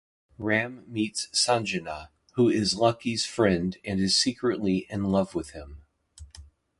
Ram meets Sanjana, who is Lucky's friend and is secretly in love with him.